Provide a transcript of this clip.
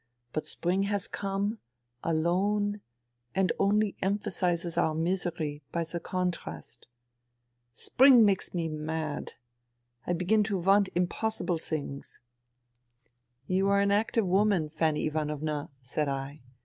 But spring has come ... alone, and only emphasizes our misery, by the contrast. ... Spring makes me mad. I begin to want impossible things. ..."" You are an active woman, Fanny Ivanovna, "^ said I.